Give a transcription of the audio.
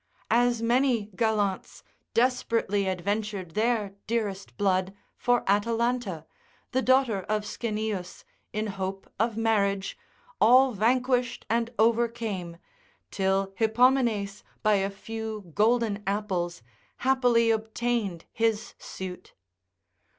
As many gallants desperately adventured their dearest blood for Atalanta, the daughter of Schenius, in hope of marriage, all vanquished and overcame, till Hippomenes by a few golden apples happily obtained his suit.